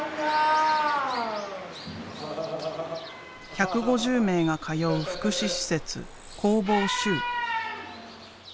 １５０名が通う福祉施設「工房集」。